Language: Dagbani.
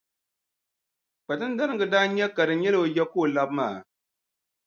Kpatinariŋga daa nya ka di nyɛla o ya ka o labi maa.